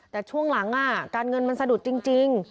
แต่ช่วงหลังการเงินมันสะดุดจริง